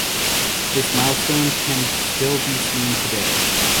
This milestone can still be seen today.